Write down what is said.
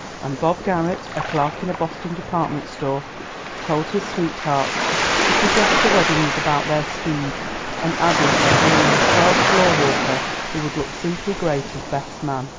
And Bob Garrett, a clerk in a Boston department store, told his sweetheart that he guessed the wedding was about their speed, and added that he knew a swell floor walker who would look simply great as best man.